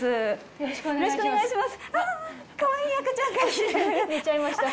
よろしくお願いします。